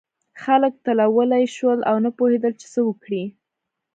خلک تلولي شول او نه پوهېدل چې څه وکړي.